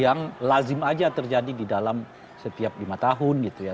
yang lazim aja terjadi di dalam setiap lima tahun gitu ya